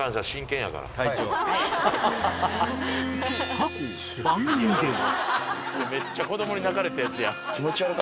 ［過去番組では］